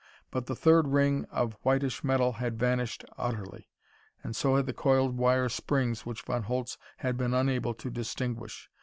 But the third ring of whitish metal had vanished utterly, and so had the coiled wire springs which Von Holtz had been unable to distinguish.